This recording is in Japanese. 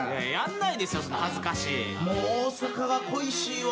もう大阪が恋しいわ。